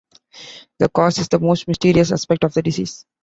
The cause is the most mysterious aspect of the disease.